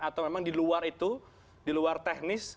atau memang di luar itu di luar teknis